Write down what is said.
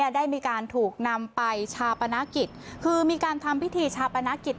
ได้มีการถูกนำไปชาปนกิจคือมีการทำพิธีชาปนกิจ